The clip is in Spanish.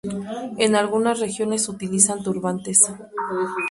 En algunas regiones utilizan turbantes.